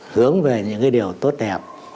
hướng về những cái điều tốt đẹp